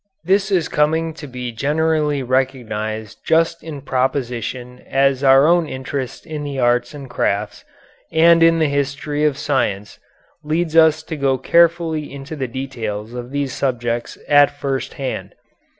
This is coming to be generally recognized just in proportion as our own interest in the arts and crafts, and in the history of science, leads us to go carefully into the details of these subjects at first hand.